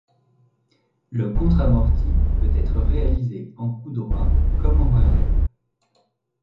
Le contre amorti peut être réalisé en coup droit comme en revers.